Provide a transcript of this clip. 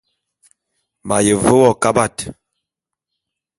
M’aye ve wo kabat.